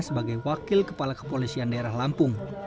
sebagai wakil kepala kepolisian daerah lampung